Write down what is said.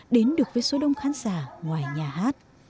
đến được với số đông khán giả ngoài nhà hát